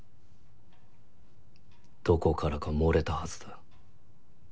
どこからか漏れたはずだ。